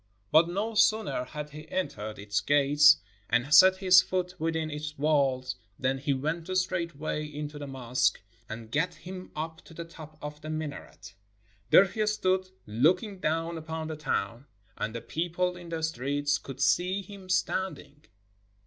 But no sooner had he entered its gates and set his foot within its walls than he went straightway into the mosque, and gat him up to the top of the mina ret. There he stood looking down upon the town, and the people in the streets could see him standing.